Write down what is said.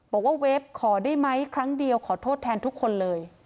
เวฟขอได้ไหมครั้งเดียวขอโทษแทนทุกคนเลย